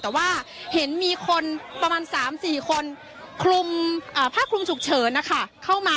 แต่ว่าเห็นมีคนประมาณ๓๔คนภาคกลุ้มฉุกเฉินเข้ามา